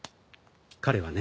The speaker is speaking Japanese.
彼はね